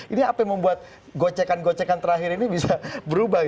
ini apa yang membuat gocekan gocekan terakhir ini bisa berubah